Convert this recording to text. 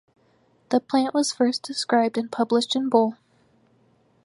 The plant was first described and published in Bull.